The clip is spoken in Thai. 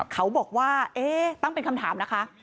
เขาบอกว่าเอ๊ะตั้งเป็นคำถามนะคะ